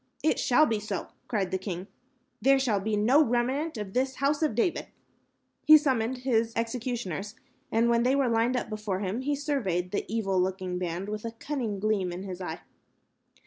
"It shall be so," cried the king. "There shall be no remnants of this House of David." He summoned his executioners, and when they were lined up before him, he surveyed the evil looking band with a cunning gleam in his eye.